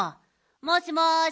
もしもし！